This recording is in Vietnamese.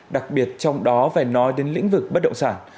đặc biệt trong đó phải nói đến lĩnh vực bất động sản